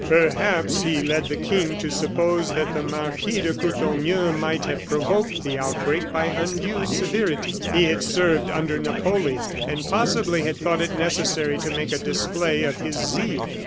Perhaps he led the King to suppose that the Marquis de Courtornieu might have provoked the outbreak by undue severity. He had served under Napoleon, and possibly had thought it necessary to make a display of his zeal.